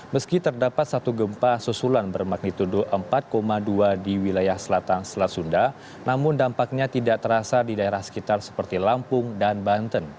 meski terdapat satu gempa susulan bermagnitudo empat dua di wilayah selatan selat sunda namun dampaknya tidak terasa di daerah sekitar seperti lampung dan banten